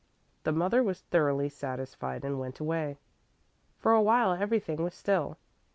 The mother was thoroughly satisfied and went away. For awhile everything was still.